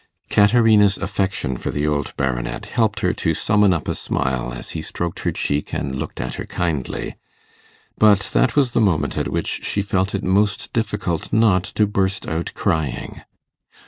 Caterina's affection for the old Baronet helped her to summon up a smile as he stroked her cheek and looked at her kindly, but that was the moment at which she felt it most difficult not to burst out crying.